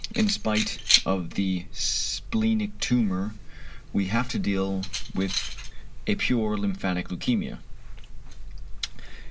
In spite of the splenic tumour we have to deal then with a pure lymphatic leukæmia.